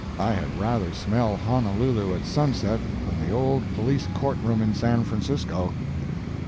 I had rather smell Honolulu at sunset than the old Police Courtroom in San Francisco.